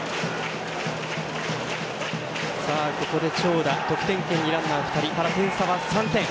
ここで長打得点圏にランナー２人点差は３点。